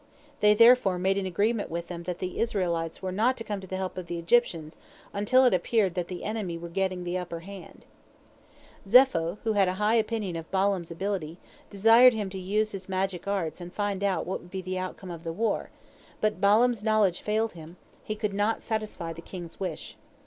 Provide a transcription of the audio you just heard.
They therefore made an agreement with them that the Israelites were not to come to the help of the Egyptians until it appeared that the enemy were getting the upper hand Zepho, who had a high opinion of Balaam's ability, desired him to use his magic arts and find out what would be the outcome of the war, but Balaam's knowledge failed him, he could not satisfy the king's wish.